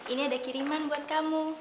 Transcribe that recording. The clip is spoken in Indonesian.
ini ada kiriman buat kamu